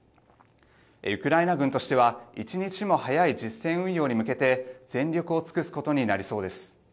ウクライナ軍としては１日も早い実戦運用に向けて全力を尽くすことになりそうです。